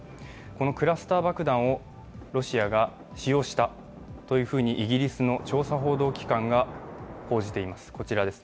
このクラスター爆弾をロシアが使用したとイギリスの調査報道機関が報じています。